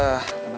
ya dia marah